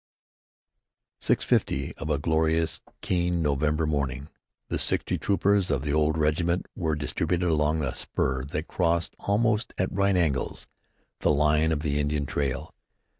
Six fifty of a glorious, keen November morning, and sixty troopers of the old regiment were distributed along a spur that crossed, almost at right angles, the line of the Indian trail.